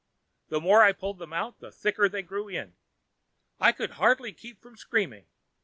The more I pulled them out, the thicker they grew in. I could hardly keep from screaming.